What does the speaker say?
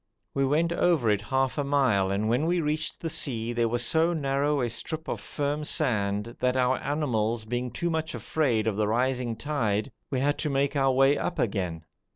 We went over it half a mile, and when we reached the sea there was so narrow a strip of firm sand that, our animals being too much afraid of the rising tide, we had to make our way up again.